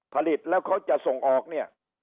ผลิตแล้วเขาจะส่งออกเนี่ย